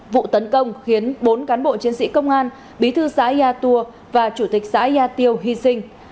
vụ tấn công khiến bốn cán bộ chiến sĩ công an bí thư xã yà tùa và chủ tịch xã yà tiêu hy sinh